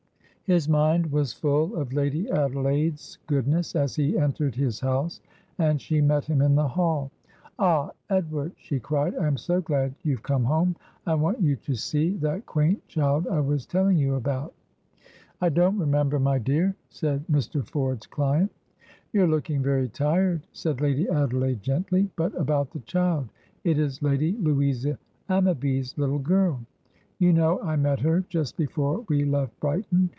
His mind was full of Lady Adelaide's goodness as he entered his house, and she met him in the hall. "Ah, Edward!" she cried, "I am so glad you've come home. I want you to see that quaint child I was telling you about." "I don't remember, my dear," said Mr. Ford's client. "You're looking very tired," said Lady Adelaide, gently; "but about the child. It is Lady Louisa Ammaby's little girl. You know I met her just before we left Brighton.